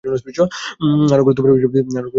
আরো গুরুত্বপূর্ণ বিষয় আছে এখানে।